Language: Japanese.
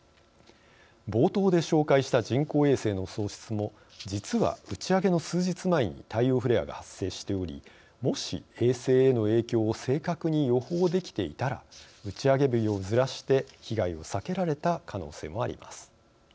冒頭で紹介した人工衛星の喪失も実は打ち上げの数日前に太陽フレアが発生しておりもし衛星への影響を正確に予報できていたら打ち上げ日をずらして被害を避けられた可能性もあります。